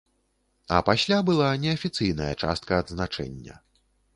А пасля была неафіцыйная частка адзначэння.